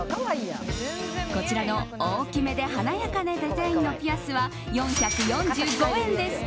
こちらの大きめで華やかなデザインのピアスは４４５円です。